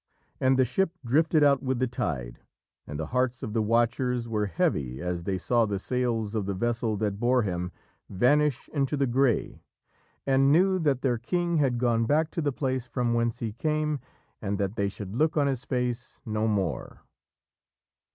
And the ship drifted out with the tide, and the hearts of the watchers were heavy as they saw the sails of the vessel that bore him vanish into the grey, and knew that their king had gone back to the place from whence he came, and that they should look on his face no more.